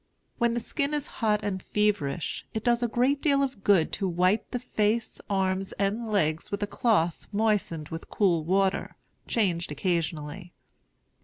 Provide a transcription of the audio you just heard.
When the skin is hot and feverish, it does a great deal of good to wipe the face, arms, and legs with a cloth moistened with cool water, changed occasionally.